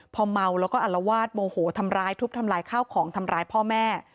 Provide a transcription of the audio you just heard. พอเมาแล้วก็อลวาดโมโหทำร้ายทุบทำลายข้าวของทำร้ายพ่อแม่